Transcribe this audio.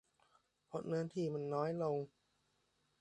เพราะเนื้อที่มันน้อยลง